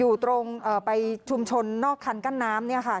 อยู่ตรงไปชุมชนนอกคันกั้นน้ำเนี่ยค่ะ